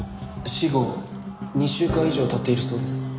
死後２週間以上経っているそうです。